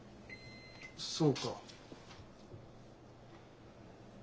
そうか。